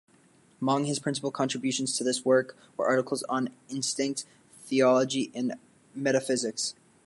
Among his principal contributions to this work were articles on Instinct, Theology and Metaphysics.